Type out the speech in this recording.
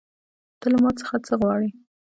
ته له ما څخه څه غواړې